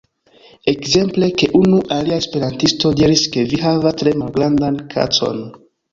Ekzemple ke unu alia esperantisto diris ke vi havas tre malgrandan kacon.